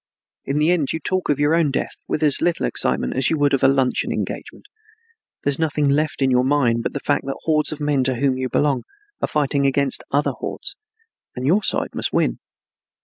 In the end you talk of your own death with as little excitement as you would of a luncheon engagement. There is nothing left in your mind but the fact that hordes of men to whom you belong are fighting against other hordes, and your side must win.